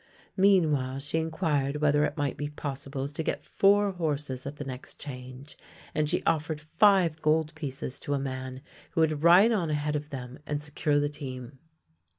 Meanwhile she inquired whether it might be pos sible to get four bourses at the next change, and she offered five gold pieces to a man who would ride on ahead of them and secure the team.